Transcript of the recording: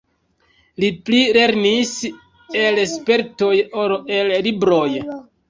Li pli lernis el spertoj ol el libroj.